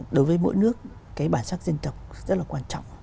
đối với mỗi nước cái bản sắc dân tộc rất là quan trọng